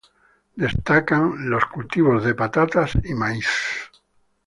Destacan los cultivos de patatas y maíz.